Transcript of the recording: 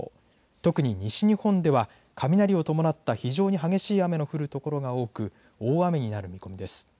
特に西日本では雷を伴った非常に激しい雨の降るところが多く大雨になる見込みです。